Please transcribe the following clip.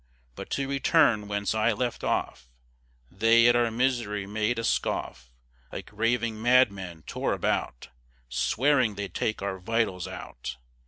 But to return whence I left off. They at our misery made a scoff; Like raving madmen tore about, Swearing they'd take our vitals out.